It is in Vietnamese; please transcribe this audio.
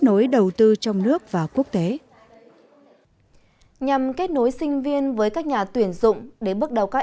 nối đầu tư trong nước và quốc tế nhằm kết nối sinh viên với các nhà tuyển dụng đến bước đầu các